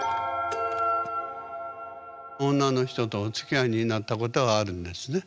女の人とおつきあいになったことはあるんですね？